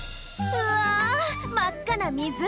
うわ真っ赤な湖！